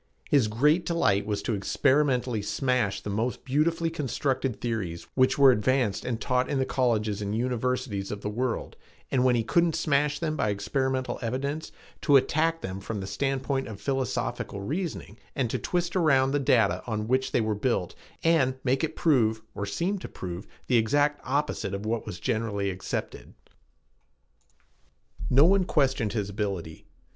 His great delight was to experimentally smash the most beautifully constructed theories which were advanced and taught in the colleges and universities of the world, and when he couldn't smash them by experimental evidence, to attack them from the standpoint of philosophical reasoning and to twist around the data on which they were built and make it prove, or seem to prove, the exact opposite of what was generally accepted. No one questioned his ability.